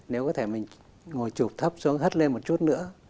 nếu có thể mình hồi chụp thấp xuống hất lên một chút nữa